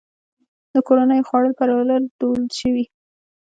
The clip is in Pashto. د کورنیو خوړو پلورل دود شوي؟